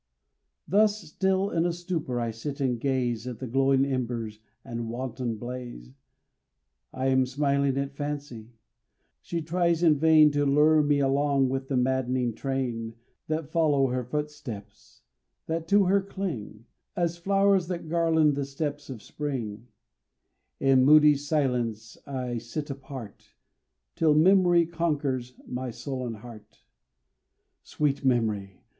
Thus still in a stupor I sit and gaze At the glowing embers and wanton blaze; I am smiling at Fancy; she tries in vain To lure me along with the mad'ning train That follow her footsteps that to her cling, As flowers that garland the steps of spring; In moody silence I sit apart, Till memory conquers my sullen heart. Sweet Memory!